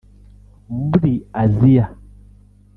muri Aziya